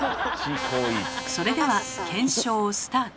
それでは検証スタート。